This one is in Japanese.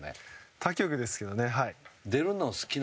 他局ですけどね。